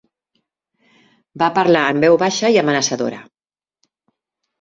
Va parlar en veu baixa i amenaçadora.